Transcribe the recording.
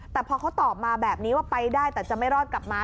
แต่พอเขาตอบมาแบบนี้ว่าไปได้แต่จะไม่รอดกลับมา